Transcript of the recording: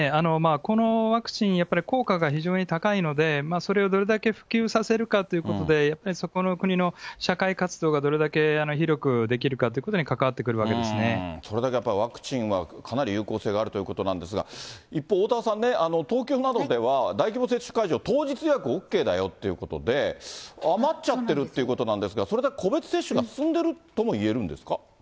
このワクチン、やっぱり効果が非常に高いので、それをどれだけ普及させるかということで、やっぱり、そこの国の社会活動がどれだけ広くできるかということに関わってそれだけやっぱり、ワクチンはかなり有効性があるということなんですが、一方、おおたわさんね、東京などでは、大規模接種会場、当日予約ＯＫだよということで、余っちゃってるっていうことなんですが、それだけ個別接種が進んでるともいえるんですか？